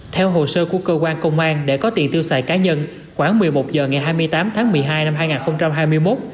theo hồ sơ của cơ quan công an để có tiền tiêu xài cá nhân khoảng một mươi một h ngày hai mươi tám tháng một mươi hai năm hai nghìn hai mươi một